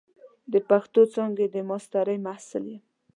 د پښتو څانګې د ماسترۍ محصل یم.